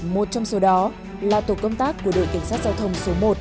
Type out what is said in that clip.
một trong số đó là tổ công tác của đội cảnh sát giao thông số một